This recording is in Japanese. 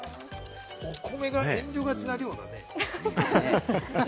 お米が遠慮がちな量だね。